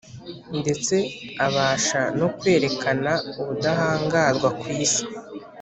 ndetse abasha no kwerekana ubudahangarwa ku isi